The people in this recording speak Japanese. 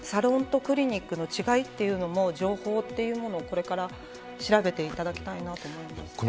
サロンとクリニックの違いというのも情報をこれから調べていただきたいなと思います。